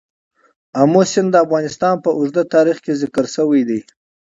آمو سیند د افغانستان په اوږده تاریخ کې ذکر شوی دی.